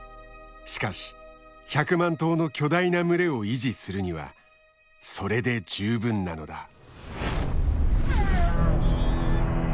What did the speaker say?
しかし１００万頭の巨大な群れを維持するにはそれで十分なのだ。